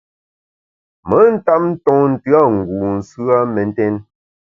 Me ntap ntonte a ngu nsù a mentèn.